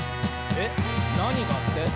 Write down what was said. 「えっなにが？って？」